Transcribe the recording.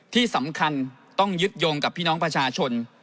ที่สำคัญต้องยึดโยงกับพี่น้องประชาชน